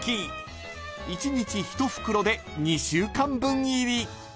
［一日一袋で２週間分入り］